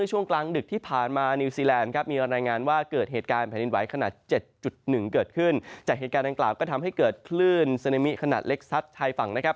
จัดการดังกล่าวก็ทำให้เกิดคลื่นสนามิขนาดเล็กซัดไทยฝั่งนะครับ